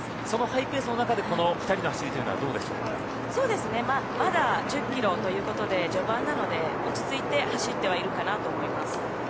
そのハイペースの中でこの２人の走りというのはまだ１０キロということで序盤なので、落ち着いて走ってはいるかなと思います。